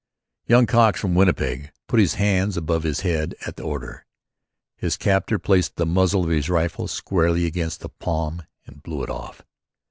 Young Cox from Winnipeg put his hands above his head at the order. His captor placed the muzzle of his rifle squarely against the palm and blew it off.